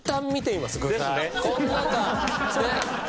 この中ね。